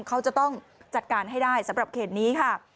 เขาจะต้องจัดการให้ได้สำหรับเขตนี้ค่ะ